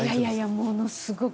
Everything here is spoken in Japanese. ものすごく！